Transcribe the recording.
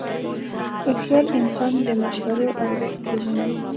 هوښیار انسان د مشورو ارزښت پېژني.